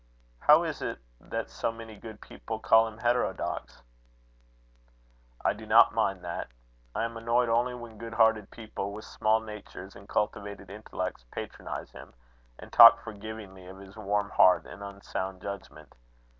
"How is it that so many good people call him heterodox?" "I do not mind that. I am annoyed only when good hearted people, with small natures and cultivated intellects, patronise him, and talk forgivingly of his warm heart and unsound judgment.